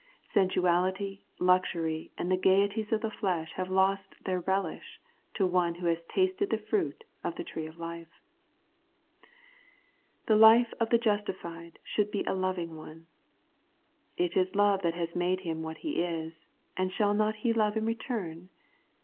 Sensuality, luxury, and the gaieties of the flesh have lost their relish to one who has tasted the fruit of the tree of life. The life of the justified should be a loving one. It is love that has made him what he is, and shall he not love in return